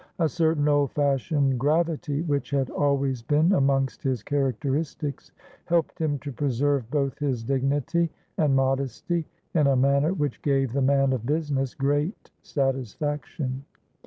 A certain old fashioned gravity, which had always been amongst his characteristics, helped him to preserve both his dignity and modesty in a manner which gave the man of business great satisfaction.